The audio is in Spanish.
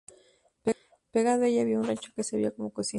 Pegado a ella había un rancho que servía como cocina.